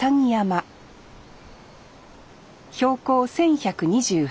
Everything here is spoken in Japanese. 標高１，１２８ｍ。